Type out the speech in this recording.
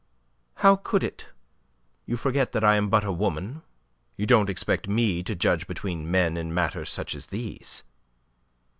"How could it? You forget that I am but a woman. You don't expect me to judge between men in matters such as these?"